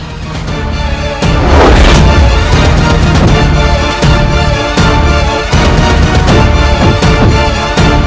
dia terlalu kuat